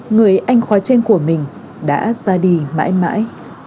người anh khoai trên của mình đã ra đi mãi mãi